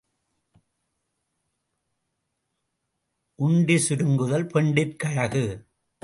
உண்டி சுருங்குதல் பெண்டிர்க்கு அழகு.